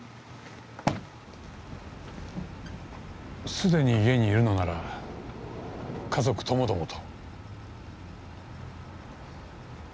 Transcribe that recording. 既に家にいるのなら家族ともどもと。